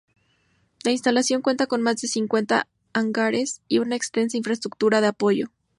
La instalación cuenta con más de cincuenta hangares y una extensa infraestructura de apoyo.